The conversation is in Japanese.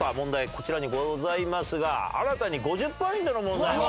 こちらにございますが新たに５０ポイントの問題も。